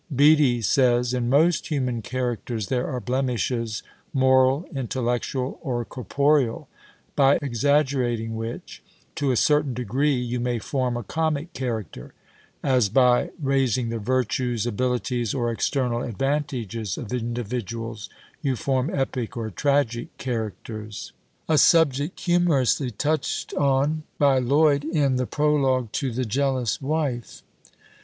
Beattie says, "In most human characters there are blemishes, moral, intellectual, or corporeal; by exaggerating which, to a certain degree, you may form a comic character; as by raising the virtues, abilities, or external advantages of individuals, you form epic or tragic characters; a subject humorously touched on by Lloyd, in the prologue to The Jealous Wife.